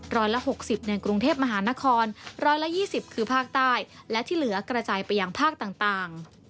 ร้อยละ๖๐ในกรุงเทพมหานคร๑๒๐คือภาคใต้และที่เหลือกระจายไปยังภาคต่าง